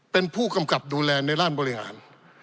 เป็นผู้กำกับดูแลในร่านบริหาร